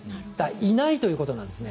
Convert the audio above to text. いないということなんですね。